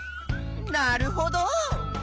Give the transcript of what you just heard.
なるほど！